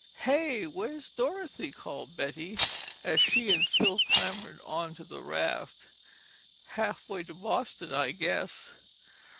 "Hey, where's Dorothy?" called Betty as she and Phil clambered on to the raft. "Halfway to Boston, I guess.